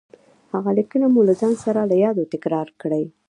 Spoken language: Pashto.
هغه ليکنه مو له ځان سره له يادو تکرار کړئ.